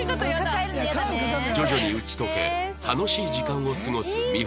徐々に打ち解け楽しい時間を過ごす美冬たち